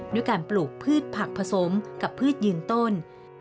ด้วยการปลูกพืชผักผสมกับพืชยืนต้น